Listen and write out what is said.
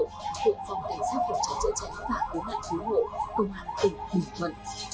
cộng phòng cảnh sát cảnh sát chữa cháy và cứu nạn cứu hộ công an ủng hộ